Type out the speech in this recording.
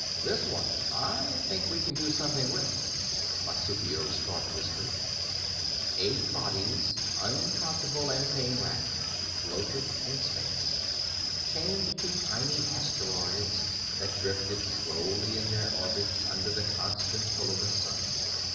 "This one I think we can do something with," Matsukuo's thought whispered. Eight bodies, uncomfortable and pain wracked, floated in space, chained to tiny asteroids that drifted slowly in their orbits under the constant pull of the sun.